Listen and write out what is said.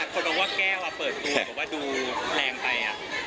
คนบอกว่าแก้วเปิดตัวบอกว่าดูแรงไป